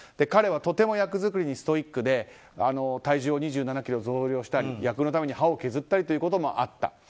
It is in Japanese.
彼はとても役作りにストイックで体重を２７ｋｇ増量したり役のために歯を削ったりということもあった。